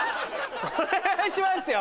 お願いしますよ